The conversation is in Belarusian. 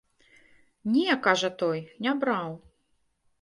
Не, кажа той, не браў.